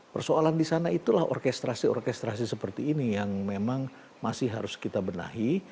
persoalan di sana itulah orkestrasi orkestrasi seperti ini yang memang masih harus kita benahi